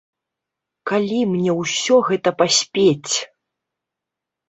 Калі мне ўсё гэта паспець?